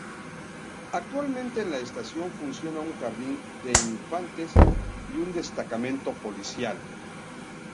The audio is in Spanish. Actualmente en la estación funciona un Jardín de Infantes y un destacamento policial.